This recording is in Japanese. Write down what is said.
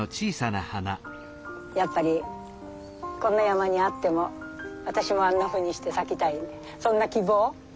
やっぱりこんな山にあっても私もあんなふうにして咲きたいそんな希望。